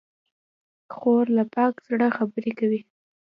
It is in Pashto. خور له پاک زړه خبرې کوي.